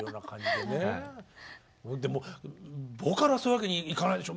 でもボーカルはそういうわけにいかないでしょ？